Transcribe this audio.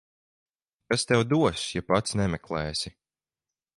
Kas tev dos, ja pats nemeklēsi.